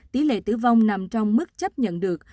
tỷ lệ tử vong nằm trong mức chấp nhận được